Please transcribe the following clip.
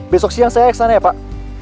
besok siang saya kesana ya pak